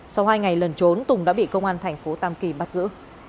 sau hai ngày lần trốn tùng đã bị công an tp tam kỳ bắt giữ